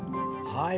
はい。